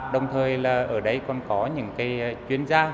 đồng thời là ở đây còn có những cái chuyên gia